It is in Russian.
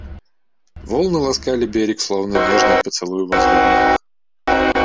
Волны ласкали берег, словно нежные поцелуи возлюбленных.